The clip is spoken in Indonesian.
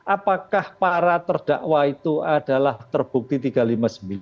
apakah para terdakwa itu adalah terbukti tiga ratus lima puluh sembilan